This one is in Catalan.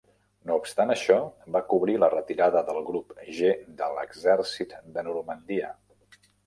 No obstant això, va cobrir la retirada del Grup G de l"exèrcit de Normandia.